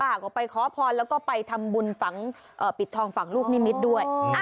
ก็ไปขอพรแล้วก็ไปทำบุญฝังปิดทองฝั่งลูกนิมิตรด้วย